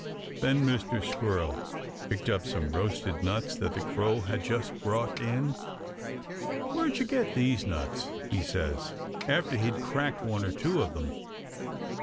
Then Mr. Squirrel picked up some roasted nuts that the Crow had just brought in. "Where'd you get these nuts?" he says, after he'd cracked one or two of them.